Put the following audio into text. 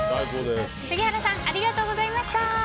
杉原さんありがとうございました。